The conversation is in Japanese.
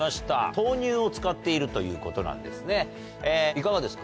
豆乳を使っているということなんですねいかがですか？